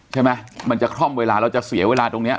มันจะคล่อมเวลาเราจะเสียเวลาตรงนี้